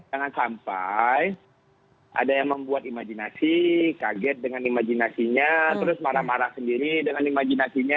jangan sampai ada yang membuat imajinasi kaget dengan imajinasinya terus marah marah sendiri dengan imajinasinya